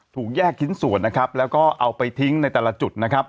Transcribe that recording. ถูกแยกขิ้นส่วนแล้วก็เอาไปทิ้งในแต่ละจุด